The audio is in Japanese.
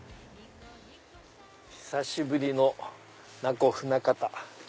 久しぶりの那古船形。